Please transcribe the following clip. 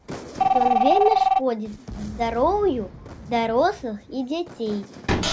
Ён вельмі шкодзіць здароўю дарослых і дзяцей.